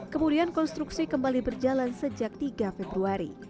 kemudian konstruksi kembali berjalan sejak tiga februari